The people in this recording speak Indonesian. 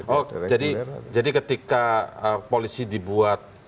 oh jadi ketika polisi dibuat